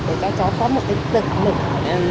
để cho cháu có một cái tự hào